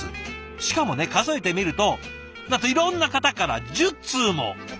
しかもね数えてみるとなんといろんな方から１０通も！